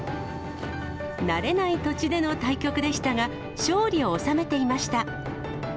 慣れない土地での対局でしたが、勝利を収めていました。